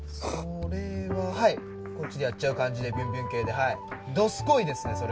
それははいこっちでやっちゃう感じでビュンビュン系ではいどすこいですね